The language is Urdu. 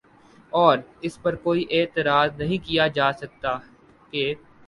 اور اس پر کوئی اعتراض نہیں کیا جا سکتا کہ